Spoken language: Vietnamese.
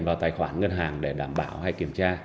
vào tài khoản ngân hàng để đảm bảo hay kiểm tra